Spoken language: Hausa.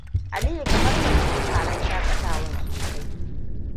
Aliyu kamar bai so taron shakatawan sosai.